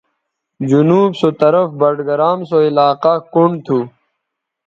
جنوب سو طرفے ضلع بٹگرام سو علاقہ کنڈ تھو